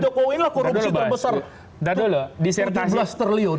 di zaman jokowi lah korupsi terbesar tujuh belas triliun